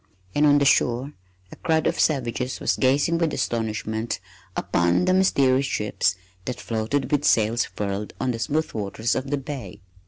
And on the shore a crowd of savages was gazing with astonishment upon the mysterious ships that floated with sails furled on the smooth waters of the bay.